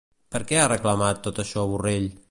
Per què ha remarcat tot això Borrell?